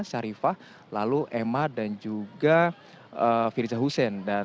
syarifah lalu emma dan juga firza hussein